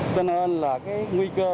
cho nên là cái nguy cơ